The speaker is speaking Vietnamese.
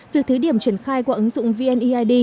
việc thí điểm triển khai qua ứng dụng vneid